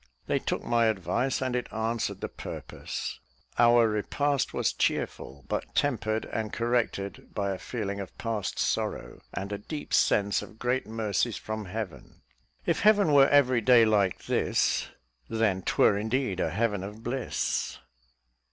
They took my advice, and it answered the purpose. Our repast was cheerful, but tempered and corrected by a feeling of past sorrow, and a deep sense of great mercies from Heaven. "If Heaven were every day like this, Then 'twere indeed a Heaven of bliss."